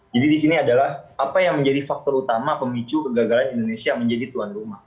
jadi di sini adalah apa yang menjadi faktor utama pemicu kegagalan indonesia menjadi tuan rumah